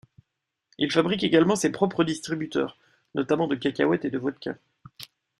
Il fabrique également ses propres distributeurs, notamment de cacahuètes et de vodka.